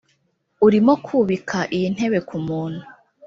urimo kubika iyi ntebe kumuntu